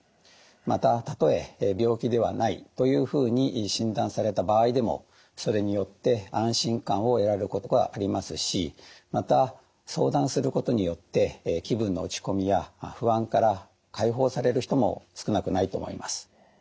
またたとえ病気ではないというふうに診断された場合でもそれによって安心感を得られることがありますしまた相談することによって気分の落ち込みや不安から解放される人も少なくないと思います。